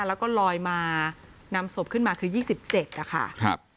แล้วก็ลอยมานำศพขึ้นมาคือ๒๗นะคะ